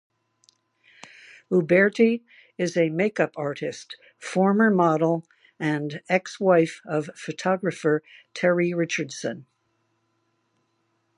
Uberti is a makeup artist, former model, and ex-wife of photographer Terry Richardson.